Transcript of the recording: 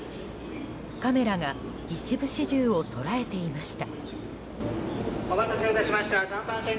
カメラが一部始終を捉えていました。